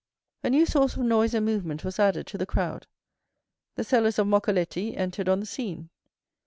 A new source of noise and movement was added to the crowd. The sellers of moccoletti entered on the scene.